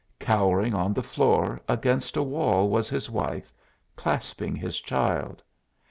Cowering on the floor against a wall was his wife, clasping his child.